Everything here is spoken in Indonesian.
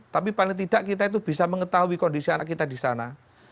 tapi paling tidak kita itu bisa mengetahui kondisi anak kita di sana